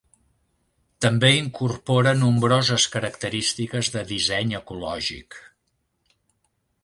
També incorpora nombroses característiques de disseny ecològic.